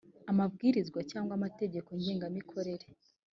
amabwiriza cyangwa amategeko ngengamikorere